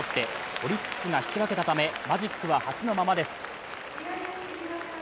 オリックスが引き分けたため、マジックは８のままです。